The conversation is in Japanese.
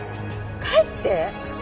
帰って。